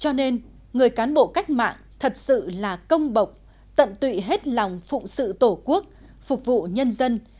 cho nên người cán bộ cách mạng thật sự là công bộc tận tụy hết lòng phụng sự tổ quốc phục vụ nhân dân